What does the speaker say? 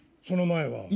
その前は？